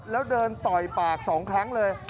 แล้วเดินต่อยปาก๒ครั้งเลย